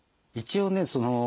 一応ね